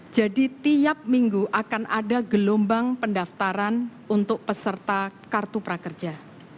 jadi tiap minggu akan ada gelombang pendaftaran untuk peserta kartu prakerja